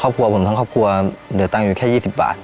ครอบครัวผมทั้งครอบครัวเหลือตังค์อยู่แค่๒๐บาท